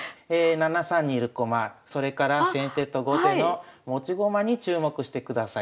７三に居る駒それから先手と後手の持ち駒に注目してください。